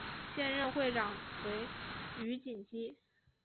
现任会长为余锦基。